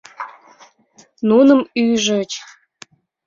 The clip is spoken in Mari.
Нуным ужыч.